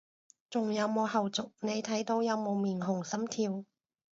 仲有冇後續，你睇到有冇面紅心跳？